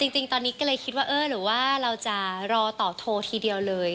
จริงตอนนี้ก็เลยคิดว่าเออหรือว่าเราจะรอต่อโทรทีเดียวเลย